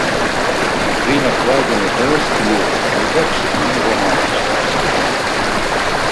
Viņa Klaidoņa tēls kļuva maigāks un romantiskāks.